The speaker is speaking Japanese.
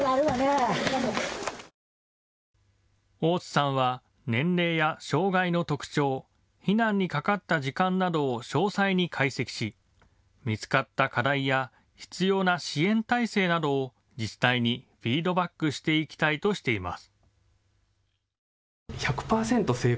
大津さんは年齢や障害の特徴、避難にかかった時間などを詳細に解析し、見つかった課題や必要な支援態勢などを自治体にフィードバックしていきたいとしています。